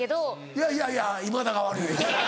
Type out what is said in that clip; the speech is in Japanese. いやいやいや今田が悪いです。